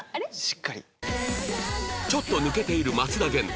ちょっと抜けている松田元太